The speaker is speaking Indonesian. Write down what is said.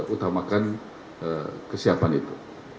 utamakan kesiapan itu